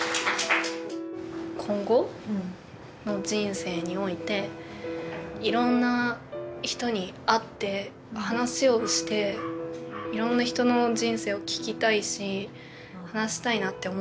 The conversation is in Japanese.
今後の人生においていろんな人に会って話をしていろんな人の人生を聞きたいし話したいなって思ってるから。